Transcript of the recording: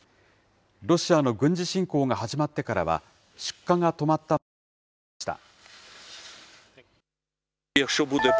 ロシアの軍事侵攻が始まってからは、出荷が止まったままになっていました。